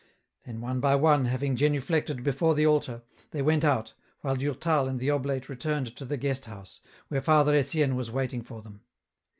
Then one by one, having genuflected before the altar, they went out, while Durtal and the oblate returned to the guest house, where Father Etienne was waiting for them.